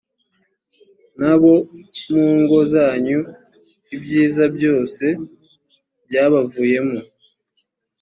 n abo mu ngo zanyu ibyiza byose byabavuye mu